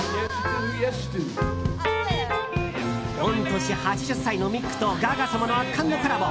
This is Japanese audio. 御年８０歳のミックとガガ様の圧巻のコラボ。